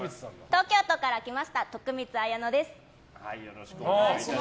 東京都から来ました徳光綾乃です。